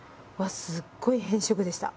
すっごい偏食でした。